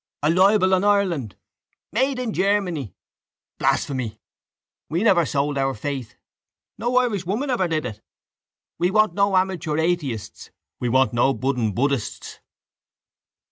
—A libel on Ireland! —Made in Germany. —Blasphemy! —We never sold our faith! —No Irish woman ever did it! —We want no amateur atheists. —We want no budding buddhists.